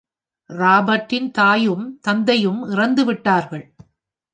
ராபர்ட்டின் தாயும் தந்தையும் இறந்துவிடடார்கள்.